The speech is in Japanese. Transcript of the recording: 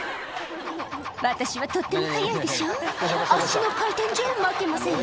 「私はとっても速いでしょ」「足の回転じゃ負けませんよ」